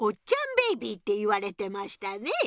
ベイビーって言われてましたね。